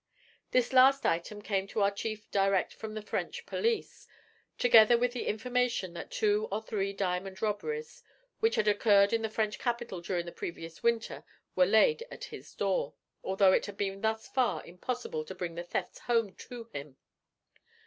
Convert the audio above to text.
This last item came to our chief direct from the French police, together with the information that two or three diamond robberies which had occurred in the French capital during the previous winter were laid at his door, although it had been thus far impossible to bring the thefts home to him.